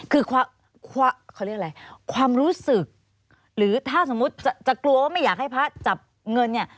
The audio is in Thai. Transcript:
คือความรู้สึกหรือถ้าจะกลัวว่าไม่อยากให้พระจับเงิน